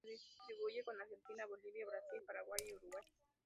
Se distribuye por Argentina, Bolivia, Brasil, Paraguay y Uruguay.